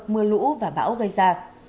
mưa lũ và bão gây ra